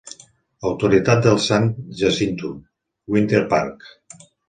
Autoritat del San Jacinto Winter Park.